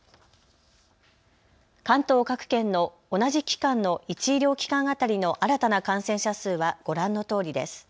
関東各県の同じ期間の１医療機関当たりの新たな感染者数はご覧のとおりです。